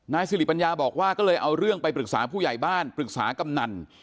สิริปัญญาบอกว่าก็เลยเอาเรื่องไปปรึกษาผู้ใหญ่บ้านปรึกษากำนัน